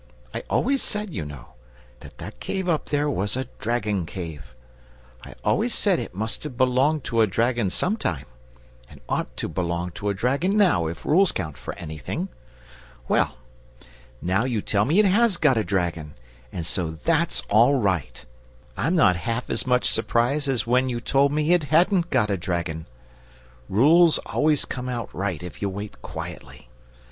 I always said, you know, that that cave up there was a dragon cave. I always said it must have belonged to a dragon some time, and ought to belong to a dragon now, if rules count for anything. Well, now you tell me it HAS got a dragon, and so THAT'S all right. I'm not half as much surprised as when you told me it HADN'T got a dragon. Rules always come right if you wait quietly.